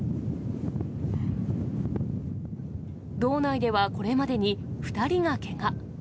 道内ではこれまでに、２人がけが。